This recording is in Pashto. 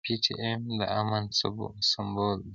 پي ټي ايم د امن سمبول دی.